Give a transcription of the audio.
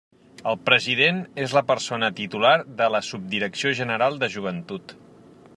El president és la persona titular de la Subdirecció General de Joventut.